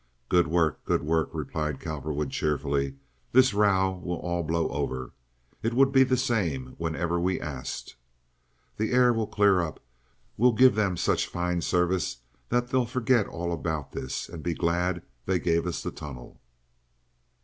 "Good work, good work!" replied Cowperwood, cheerfully. "This row will all blow over. It would be the same whenever we asked. The air will clear up. We'll give them such a fine service that they'll forget all about this, and be glad they gave us the tunnel."